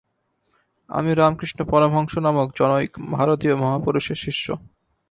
আমি রামকৃষ্ণ পরমহংস নামক জনৈক ভারতীয় মহাপুরুষের শিষ্য।